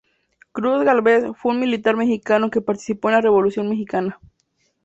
Cruz Gálvez fue un militar mexicano que participó en la Revolución mexicana.